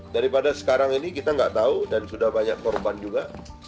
daripada sekarang ini kita nggak tahu dan sudah banyak korban juga